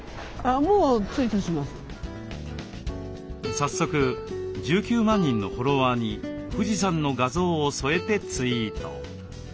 早速１９万人のフォロワーに富士山の画像を添えてツイート。